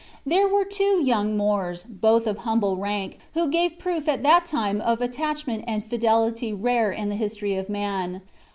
There were two young Moors, both of humble rank, who gave proof at that time of attachment and fidelity rare in the history of man.